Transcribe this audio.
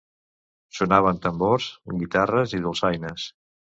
Sonaven tambors, guitarres i dolçaines.